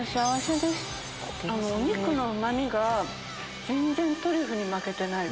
お肉のうま味が全然トリュフに負けてない。